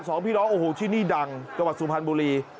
สองพี่น้องโอ้โหที่นี่ดังจังหวัดสุพรรณบุรี